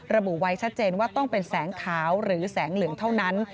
ระบุไว้ชัดเจนว่าต้องเป็นแสงขาวหรือแสงเหลืองเท่านั้น